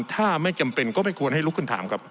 ถ้าไม่จำเป็นก็ไม่ควรให้ลุกขึ้นถามครับ